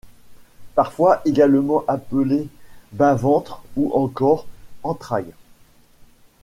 Parfois également appelé bas-ventre ou encore entrailles.